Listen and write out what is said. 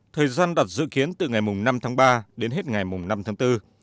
thời gian đặt dự kiến từ ngày năm tháng ba đến hết ngày năm tháng bốn